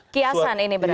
kiasan ini berarti